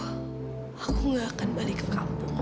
aku gak akan balik ke kampung